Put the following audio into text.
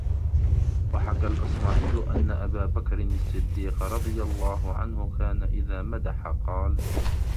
وَحَكَى الْأَصْمَعِيُّ أَنَّ أَبَا بَكْرٍ الصِّدِّيقَ رَضِيَ اللَّهُ عَنْهُ كَانَ إذَا مَدَحَ قَالَ